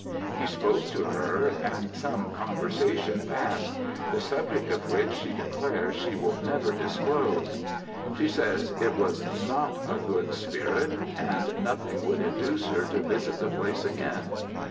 He spoke to her, and some conversation passed the subject of which she declares she will never disclose; she says it was not a good spirit, and nothing would induce her to visit the place again.